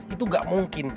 itu gak mungkin